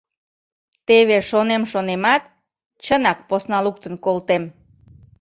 Теве, шонем-шонемат, чынак посна луктын колтем.